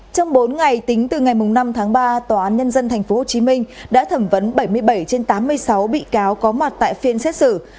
trong bốn ngày tính từ ngày năm tháng ba tòa án nhân dân tp hcm đã thẩm vấn bảy mươi bảy trên tám mươi sáu bị cáo có mặt tại phiên xét xử